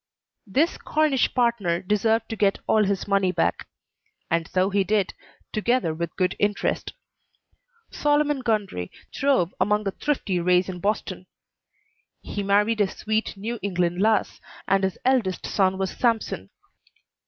This Cornish partner deserved to get all his money back; and so he did, together with good interest. Solomon Gundry throve among a thrifty race at Boston; he married a sweet New England lass, and his eldest son was Sampson.